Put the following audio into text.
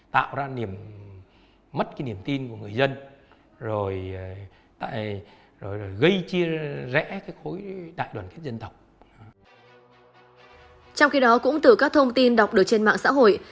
trong khi đó cũng từ các thông tin đọc được trên mạng xã hội